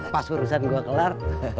pas urusan gue kelar